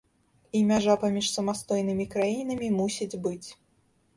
І мяжа паміж самастойнымі краінамі мусіць быць.